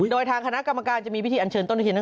โดยทางคณะกรรมการจะมีพิธีอันเชิญต้นตะเคียนทั้ง